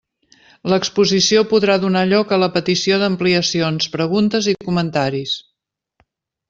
L'exposició podrà donar lloc a la petició d'ampliacions, preguntes i comentaris.